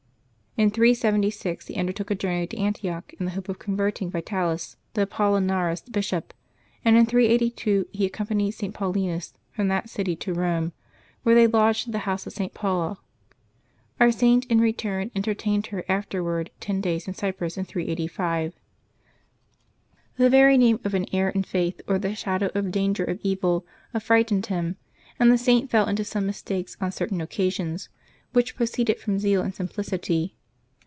In 376 he under took a journey to Antioch in the hope of converting Vitalis, the Apollinarist bishop; and in 382 he accompanied St. Paulinus from that city to Eome, where they lodged at the house of St. Paula; our Saint in return entertained her afterward ten days in Cyprus in 385. The very name of 178 LIVES OF TEE SAINTS [May 13 an error in faith, or the shadow of danger of evil, affrighted him, and the Saint fell into some mistakes on certain occa sions, which proceeded from zeal and simplicity.